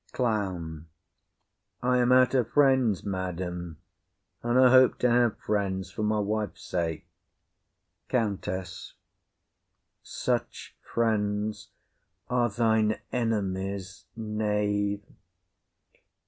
CLOWN. I am out of friends, madam, and I hope to have friends for my wife's sake. COUNTESS. Such friends are thine enemies, knave.